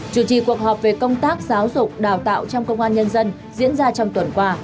chủ trì cuộc họp về công tác giáo dục đào tạo trong công an nhân dân diễn ra trong tuần qua